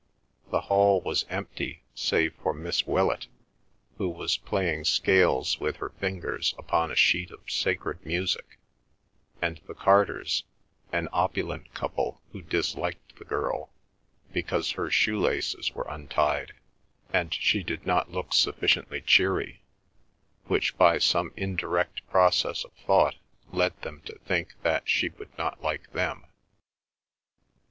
The hall was empty, save for Miss Willett who was playing scales with her fingers upon a sheet of sacred music, and the Carters, an opulent couple who disliked the girl, because her shoe laces were untied, and she did not look sufficiently cheery, which by some indirect process of thought led them to think that she would not like them.